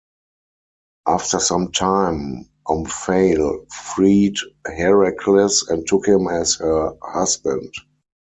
After some time, Omphale freed Heracles and took him as her husband.